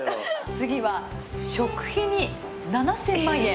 次は食費に７，０００万円。